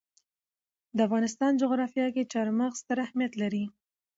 د افغانستان جغرافیه کې چار مغز ستر اهمیت لري.